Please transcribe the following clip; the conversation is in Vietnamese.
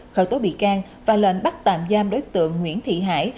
khởi tố bị can và lệnh bắt tạm giam đối tượng nguyễn thị hải